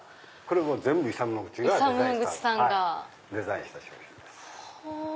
全部イサム・ノグチがデザインした商品です。